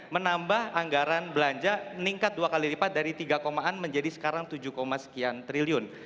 menambah anggaran belanja meningkat dua kali lipat dari tiga an menjadi sekarang tujuh sekian triliun